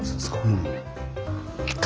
うん。